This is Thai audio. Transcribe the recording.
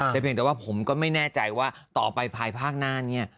แต่เพียงแต่ว่าผมก็ไม่แน่ใจว่าต่อไปภายภาคหน้านี้